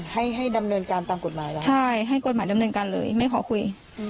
ให้ให้ดำเนินการตามกฎหมายแล้วใช่ให้กฎหมายดำเนินการเลยไม่ขอคุย